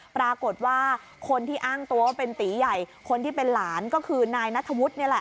ปรากฏว่าคนที่อ้างตัวว่าเป็นตีใหญ่คนที่เป็นหลานก็คือนายนัทธวุฒินี่แหละ